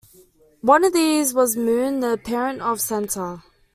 One of these was Moon, the parent of Center.